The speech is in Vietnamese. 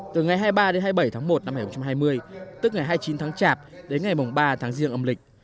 từ ngày hai mươi ba đến hai mươi bảy tháng một năm hai nghìn hai mươi tức ngày hai mươi chín tháng chạp đến ngày ba tháng riêng âm lịch